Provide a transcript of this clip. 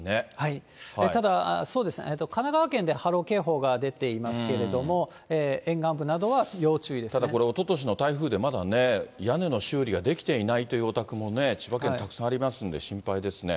ただ、そうですね、神奈川県で波浪警報が出ていますけれども、これ、おととしの台風でまだ屋根の修理ができていないというお宅もね、千葉県、たくさんありますんで、心配ですね。